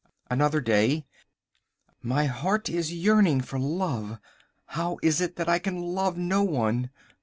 Another Day. My heart is yearning for love! How is it that I can love no one?